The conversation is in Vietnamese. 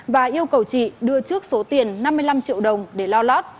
và yêu cầu chị đưa trước số tiền năm mươi năm triệu đồng để lo lót